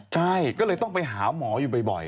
ใช่ก็เลยต้องไปหาหมออยู่บ่อย